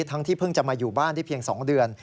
ที่เพิ่งจะมาอยู่บ้านได้เพียง๒เดือน